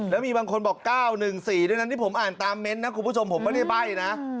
แล้วมีบางคนบอก๙๑๔ด้วยนั้นที่ผมอ่านตามเมนต์นะคุณผู้ชมผมไม่ได้ใบ้นะ